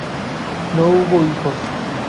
No hubo hijos.